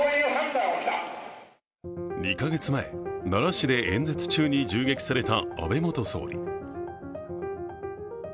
２か月前、奈良市で演説中に銃撃された安倍元総理。